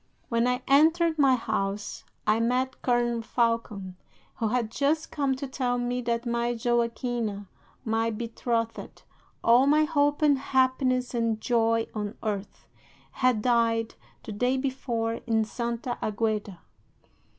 "'When I entered my house I met Colonel Falcon, who had just come to tell me that my Joaquina, my betrothed, all my hope and happiness and joy on earth, had died the day before in Santa Agueda.